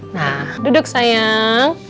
nah duduk sayang